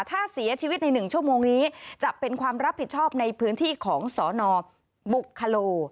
ถ้าเสียชีวิตใน๑ชั่วโมงนี้จะเป็นความรับผิดชอบในพื้นที่ของสนบุคโล